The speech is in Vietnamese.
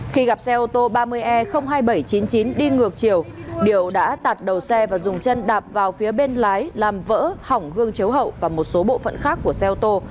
khi gặp xe ô tô ba mươi e hai nghìn bảy trăm chín mươi chín đi ngược chiều điều đã tạt đầu xe và dùng chân đạp vào phía bên lái làm vỡ hỏng gương chếu hậu và một số bộ phận khác của xe ô tô